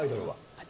私。